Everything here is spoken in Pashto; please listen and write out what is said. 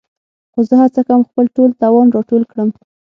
خو زه هڅه کوم خپل ټول توان راټول کړم.